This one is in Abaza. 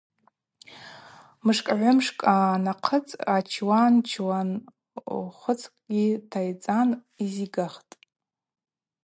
Мышкӏ-гӏвымшкӏ анахъыцӏ ачуан чуан хвыцкӏгьи тайцӏан йзигахтӏ.